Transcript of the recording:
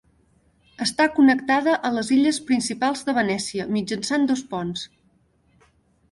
Està connectada a les illes principals de Venècia mitjançant dos ponts.